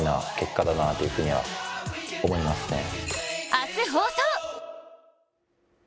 明日放送！